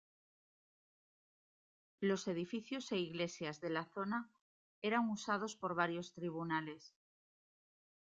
Los edificios e iglesias de la zona eran usados por varios tribunales.